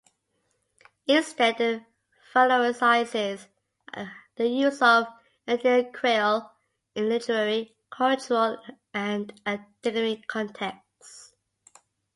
Instead it valorizes the use of Antillean Creole in literary, cultural and academic contexts.